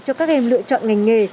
cho các em lựa chọn ngành nghề